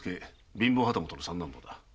貧乏旗本の三男坊だ。